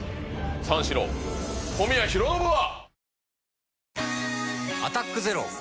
三四郎・小宮浩信は。